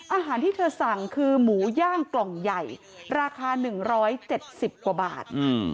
อาหารที่เธอสั่งคือหมูย่างกล่องใหญ่ราคา๑๗๐กว่าบาท